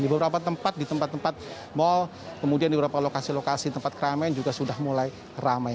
di beberapa tempat di tempat tempat mal kemudian di beberapa lokasi lokasi tempat keramaian juga sudah mulai ramai